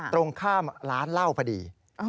ตรงข้ามร้านเหล้าพอดี